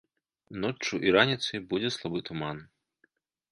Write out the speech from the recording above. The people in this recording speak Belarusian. Ноччу і раніцай будзе слабы туман.